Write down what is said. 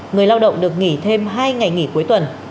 người lao động được nghỉ thêm hai ngày nghỉ cuối tuần